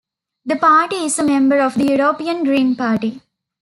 The party is a member of the European Green Party.